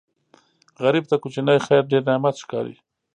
غریب ته کوچنی خیر ډېر نعمت ښکاري